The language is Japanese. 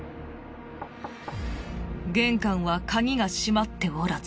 玄関は鍵が閉まっておらず。